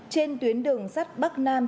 trên tuyến đường sắt bắc nam